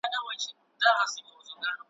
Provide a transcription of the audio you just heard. چا د مشر چا د کشر دا منلي `